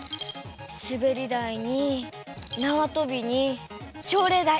すべりだいになわとびにちょうれいだい。